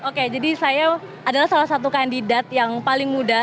oke jadi saya adalah salah satu kandidat yang paling muda